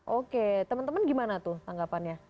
oke temen temen gimana tuh anggapannya